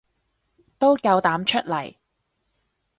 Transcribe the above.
都夠膽出嚟